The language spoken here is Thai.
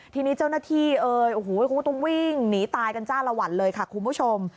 ทีนี้เจ้านักที่ควรต้องวิ่งหนีตายกันจ้าละหวันค่ะคุณผู้ชม